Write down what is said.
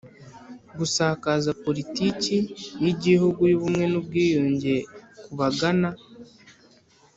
Gusakaza Politiki y Igihugu y Ubumwe n Ubwiyunge ku bagana